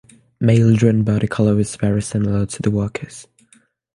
Male drone body colour is very similar to the workers.